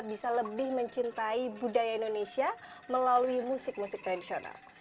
bisa lebih mencintai budaya indonesia melalui musik musik tradisional